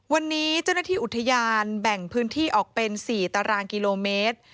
วันนี้เจ้าหน้าที่อุทยานแบ่งพื้นที่ออกเป็น๔ตารางกิโลเมตร